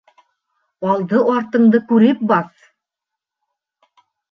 Алды-артыңды күреп баҫ.